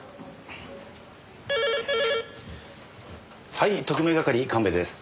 はい特命係神戸です。